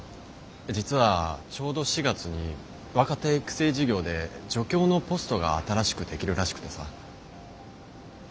実はちょうど４月に若手育成事業で助教のポストが新しく出来るらしくてさ。